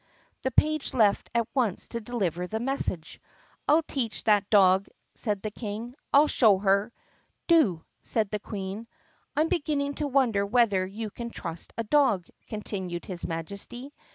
The page left at once to deliver the message. "I 'll teach that dog!" said the King. "I 'll show her!" "Do!" said the Queen. "I 'm beginning to wonder whether you can trust a dog," continued his Majesty.